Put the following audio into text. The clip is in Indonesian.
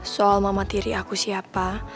soal mama tiri aku siapa